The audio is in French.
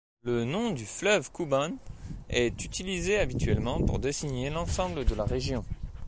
Le nom du fleuve Kouban est utilisé habituellement pour désigner l'ensemble de la région.